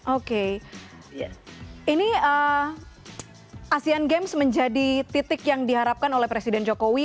oke ini asean games menjadi titik yang diharapkan oleh presiden jokowi